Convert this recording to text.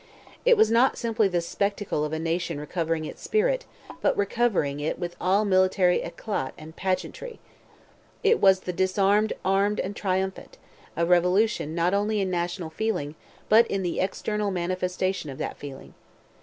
It was not simply the spectacle of a nation recovering its spirit, but recovering it with all military éclat and pageantry. It was the disarmed armed and triumphant—a revolution not only in national feeling, but in the external manifestation of that feeling.